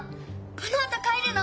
このあとかえるの？